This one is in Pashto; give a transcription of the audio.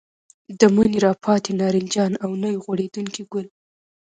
د مني راپاتې نارنجان او نوي غوړېدونکي ګل.